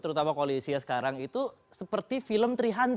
terutama koalisinya sekarang itu seperti film tiga